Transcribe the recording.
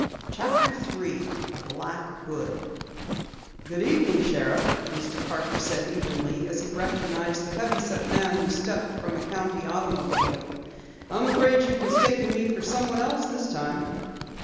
CHAPTER 3 A BLACK HOOD "Good Evening, Sheriff," Mr. Parker said evenly as he recognized the heavy set man who stepped from a county automobile. "I'm afraid you've mistaken me for someone else this time."